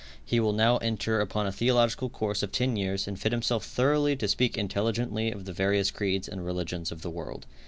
He will now enter upon a theological course of ten years and fit himself thoroughly to speak intelligently of the various creeds and religions of the world.